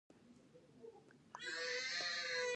د بیان لغوي مانا کشف، ايضاح، سپړل او په ډاګه کول دي.